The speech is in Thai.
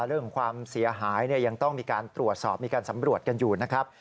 เรื่องความเสียหายยังต้องมีการตรวจสอบมีการสำรวจกันอยู่นะครับ